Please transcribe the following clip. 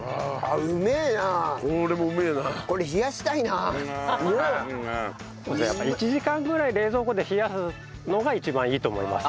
やっぱり１時間ぐらい冷蔵庫で冷やすのが一番いいと思います。